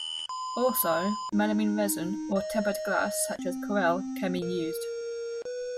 Also melamine resin or tempered glass such as Corelle can be used.